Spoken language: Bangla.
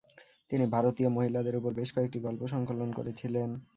তিনি ভারতীয় মহিলাদের উপর বেশ কয়েকটি গল্প সংকলন করেছিলেন।